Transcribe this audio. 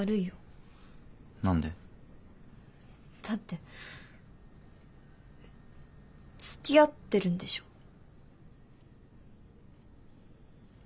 だってつきあってるんでしょ？